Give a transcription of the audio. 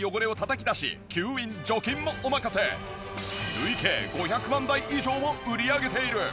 累計５００万台以上を売り上げている。